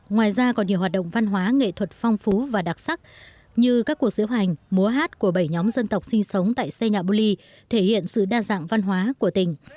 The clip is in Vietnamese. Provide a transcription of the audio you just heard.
ngoài ra còn nhiều hoạt động văn hóa nghệ thuật phong phú và đặc sắc như các cuộc diễu hành múa hát của bảy nhóm dân tộc sinh sống tại xe nhạ bô ly thể hiện sự đa dạng văn hóa của tỉnh